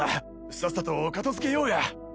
さっさと片づけようや。